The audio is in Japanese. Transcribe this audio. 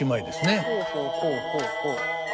ほうほうほうほうほう。